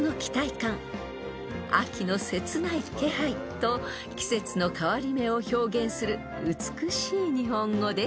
秋の切ない気配と季節の変わり目を表現する美しい日本語です］